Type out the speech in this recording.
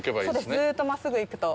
ずうっと真っ直ぐ行くと。